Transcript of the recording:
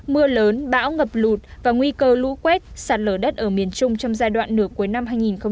mưa lớn bão ngập lụt và nguy cơ lũ quét sạt lở đất ở miền trung trong giai đoạn nửa cuối năm hai nghìn hai mươi